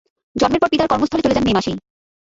জন্মের পর পিতার কর্মস্থলে চলে যান মে মাসেই।